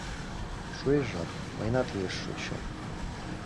Шуэш жап — мыйынат лиеш шочшем.